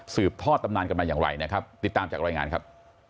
ทอดตำนานกันมาอย่างไรนะครับติดตามจากรายงานครับ